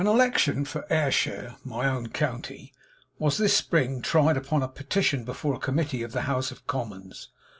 The election for Ayrshire, my own county, was this spring tried upon a petition, before a Committee of the House of Commons.